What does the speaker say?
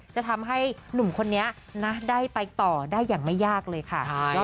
จะทำให้หนุ่มคนนี้นะได้ไปต่อได้อย่างไม่ยากเลยค่ะ